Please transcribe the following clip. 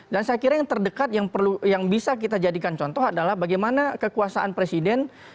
dan saya kira yang terdekat yang bisa kita jadikan contoh adalah bagaimana kekuasaan presiden